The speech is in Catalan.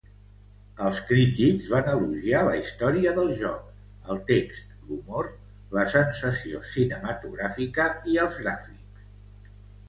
Els crítics van elogiar la història del joc, el text, l'humor, la sensació cinematogràfica i els gràfics.